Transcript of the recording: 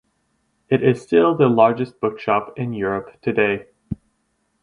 It is still the largest bookshop in Europe today.